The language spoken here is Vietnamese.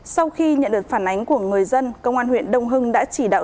sau khi nhận được phản ánh của người dân công an huyện đông hưng đã chỉ đạo